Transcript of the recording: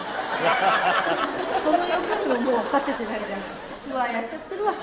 その欲にももう勝ててないじゃんうわ